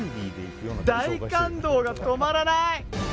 大感動が止まらない！